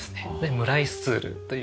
ムライスツールという。